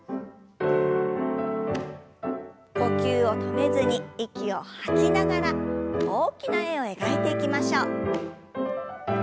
呼吸を止めずに息を吐きながら大きな円を描いていきましょう。